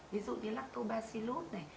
ví dụ như lactobacillus